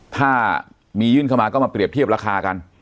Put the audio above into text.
ถ้ามียื่นเข้ามาก็มาเปรียบเทียบราคากัน